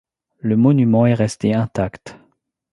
Le monument est resté intact.